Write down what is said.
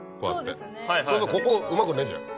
そうするとここうまくねえじゃん。